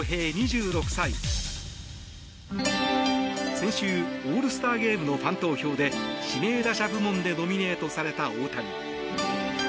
先週、オールスターゲームのファン投票で指名打者部門でノミネートされた大谷。